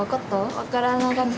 わからなかった。